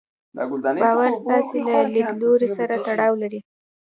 باور ستاسې له ليدلوري سره تړاو لري.